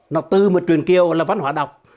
nó tư một chuyện kiều là văn hóa đọc